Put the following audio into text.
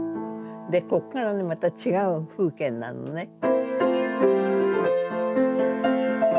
でここからねまた違う風景になるのね。